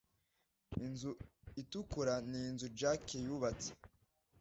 Inzu itukura ni inzu Jack yubatse.